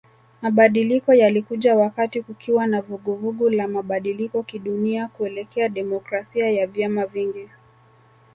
Mabadiliko yalikuja wakati kukiwa na vuguvugu la mabadiliko kidunia kuelekea demokrasia ya vyama vingi